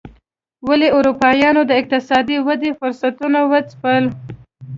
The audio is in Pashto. ولې اروپایانو د اقتصادي ودې فرصتونه وځپل.